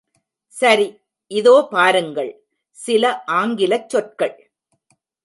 சரி, இதோ பாருங்கள், சில ஆங்கிலச் சொற்கள்!!